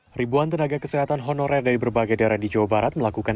hai ribuan tenaga kesehatan honorer dari berbagai daerah di jawa barat melakukan